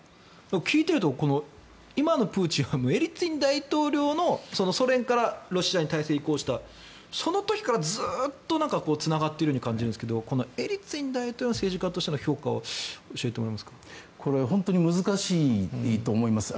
聞いていると今のプーチンはエリツィン大統領のソ連からロシアに体制が移行したその時からずっとつながっているように感じるんですがエリツィン大統領の政治家としての評価をこれ本当に難しいと思います。